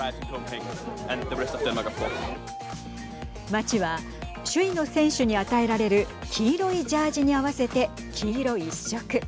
街は首位の選手に与えられる黄色いジャージに合わせて黄色一色。